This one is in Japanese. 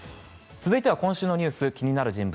続いては今週のニュース気になる人物